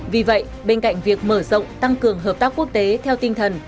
vì vậy bên cạnh việc mở rộng tăng cường hợp tác quốc tế theo tinh thần